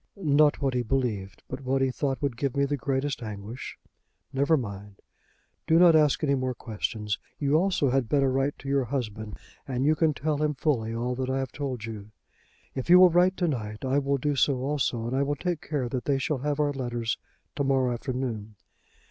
"Not what he believed; but what he thought would give me the greatest anguish. Never mind. Do not ask any more questions. You also had better write to your husband, and you can tell him fully all that I have told you. If you will write to night I will do so also, and I will take care that they shall have our letters to morrow afternoon.